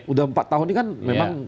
udah empat tahun ini kan memang